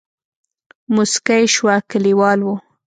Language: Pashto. موسکۍ شوه کليوال وو.